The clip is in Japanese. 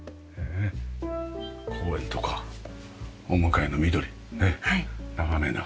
公園とかお向かいの緑ね眺めながら。